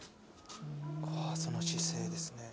その姿勢ですね。